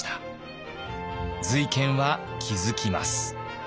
瑞賢は気づきます。